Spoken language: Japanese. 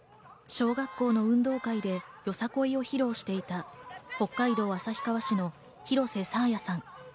小学校の運動会でよさこいを披露していた北海道旭川市の廣瀬爽彩さん。